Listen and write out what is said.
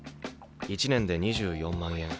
１年で２４万円